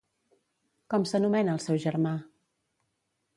Com s'anomena el seu germà?